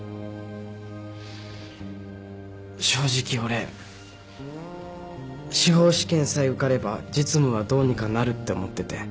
正直俺司法試験さえ受かれば実務はどうにかなるって思ってて。